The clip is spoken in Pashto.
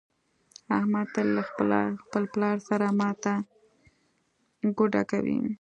احمد تل له خپل پلار سره ماته ګوډه کوي.